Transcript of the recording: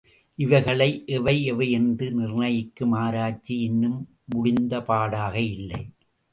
இவைகள் எவை, எவை என்று நிர்ணயிக்கும் ஆராய்ச்சி இன்னும் முடிந்தபாடாக இல்லை.